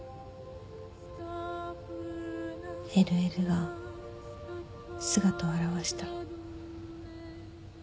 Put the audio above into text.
ＬＬが姿を現したの。